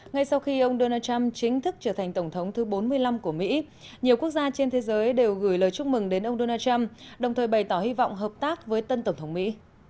ngay sau khi ông donald trump chính thức trở thành tổng thống thứ bốn mươi năm của mỹ nhiều quốc gia trên thế giới đều gửi lời chúc mừng đến ông donald trump đồng thời bày tỏ hy vọng hợp tác với tân tổng thống mỹ